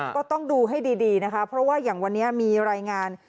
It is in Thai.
ก็ต้องดูให้ดีนะคะเพราะว่าอย่างวันนี้มีรายงาน